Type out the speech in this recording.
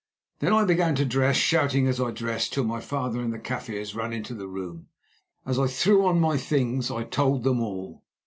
Then I began to dress, shouting as I dressed, till my father and the Kaffirs ran into the room. As I threw on my things I told them all.